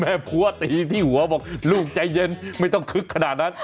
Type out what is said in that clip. พัวตีที่หัวบอกลูกใจเย็นไม่ต้องคึกขนาดนั้น